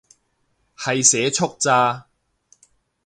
係社畜咋